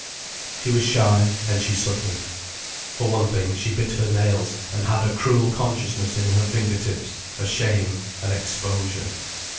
She was shy, and she suffered. For one thing, she bit her nails, and had a cruel consciousness in her finger tips, a shame, an exposure.